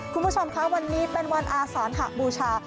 คุณผู้ชมคะวันนี้เป็นวันอาสานหบูชา